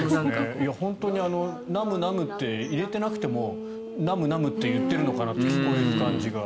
本当に南無南無って入れていなくても南無南無って言っているのかなって聞こえる感じが。